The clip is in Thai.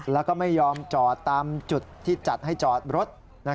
แล้วก็ไม่ยอมจอดตามจุดที่จัดให้จอดรถ